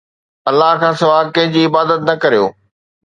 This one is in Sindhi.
الله کانسواءِ ڪنهن جي عبادت نه ڪريو